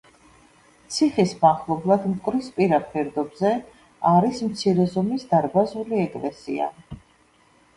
ციხის მახლობლად, მტკვრისპირა ფერდობზე, არის მცირე ზომის დარბაზული ეკლესია.